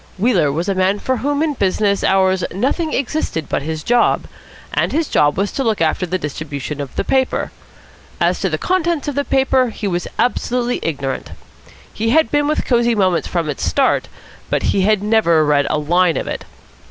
Wheeler was a man for whom in business hours nothing existed but his job; and his job was to look after the distribution of the paper. As to the contents of the paper he was absolutely ignorant. He had been with Cosy Moments from its start, but he had never read a line of it.